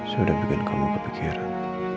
sudah bikin kamu berpikiran